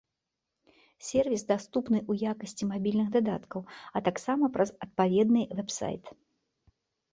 Сэрвіс даступны ў якасці мабільных дадаткаў, а таксама праз адпаведны вэб-сайт.